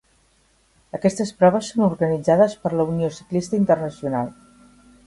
Aquestes proves són organitzades per la Unió Ciclista Internacional.